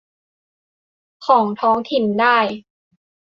ของท้องถิ่นได้